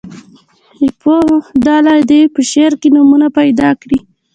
یوه ډله دې په شعر کې نومونه پیدا کړي.